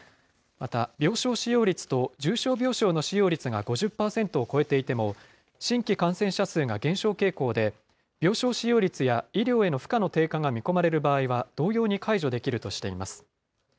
また、病床使用率と重症病床の使用率が５０％を超えていても、新規感染者数が減少傾向で、病床使用率や医療への負荷の低下が見込まれる場合は、同様に解除できるとしています。